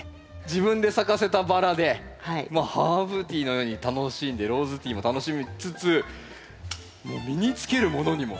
自分で咲かせたバラでハーブティーのように楽しんでローズティーも楽しみつつもう身に着けるものにも。